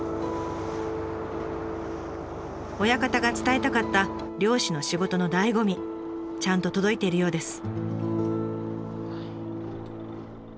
親方が伝えたかった漁師の仕事のだいご味ちゃんと届いているようです。